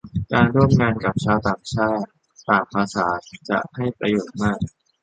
การร่วมงานกับชาวต่างชาติต่างภาษาจะให้ประโยชน์มาก